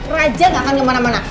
raja gak akan ke mana mana